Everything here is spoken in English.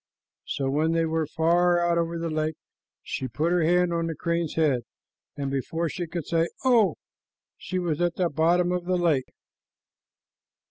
So when they were far out over the lake, she put her hand on the crane's head, and before she could say "Oh!" she was at the bottom of the lake.